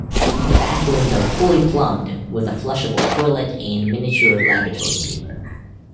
The bathrooms are fully plumbed, with a flushable toilet and miniature lavatory paper.